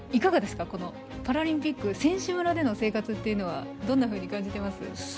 選手村での生活というのはどんなふうに感じていますか。